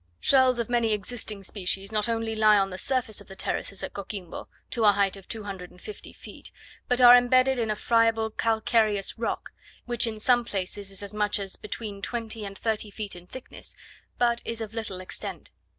Shells of many existing species not only lie on the surface of the terraces at Coquimbo (to a height of 250 feet), but are embedded in a friable calcareous rock, which in some places is as much as between twenty and thirty feet in thickness, but is of little extent.